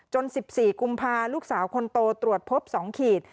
๑๔กุมภาลูกสาวคนโตตรวจพบ๒ขีด